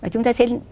chúng ta sẽ